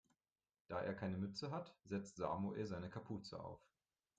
Da er keine Mütze hat, setzt Samuel seine Kapuze auf.